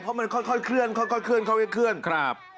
เพราะมันค่อยเคลื่อนค่อยเคลื่อนค่อยเคลื่อนครับ